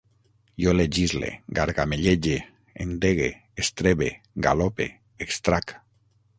Jo legisle, gargamellege, endegue, estrebe, galope, extrac